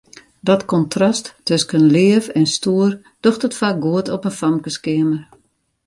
Dat kontrast tusken leaf en stoer docht it faak goed op in famkeskeamer.